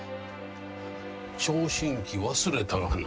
聴診器忘れたがな。